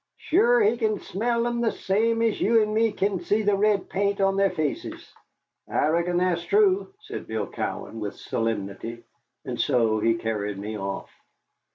Sure he can smell thim the same as you an' me kin see the red paint on their faces." "I reckon that's true," said Bill Cowan, with solemnity, and so he carried me off.